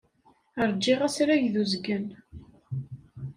Ṛjiɣ asrag d uzgen.